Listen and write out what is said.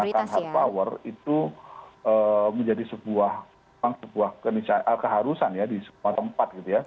menggunakan hard power itu menjadi sebuah keharusan ya di semua tempat gitu ya